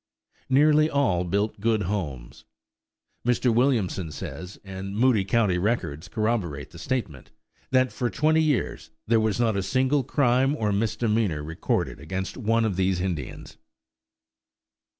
Nearly all built good homes. Mr. Williamson says, and Moody County records corroborate the statement, that for twenty years there was not a single crime or misdemeanor recorded against one of these Indians.